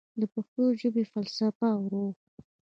د پښتو ژبې فلسفه او روح